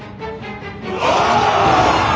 お！